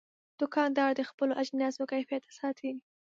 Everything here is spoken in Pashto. دوکاندار د خپلو اجناسو کیفیت ساتي.